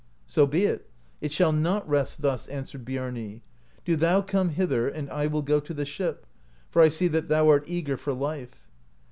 "So be it, it shall not rest thus," answered Biami ; "do thou come hither, and I will go to the ship, for I see that thou art eager for life."